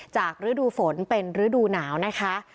ฤดูฝนเป็นฤดูหนาวนะคะ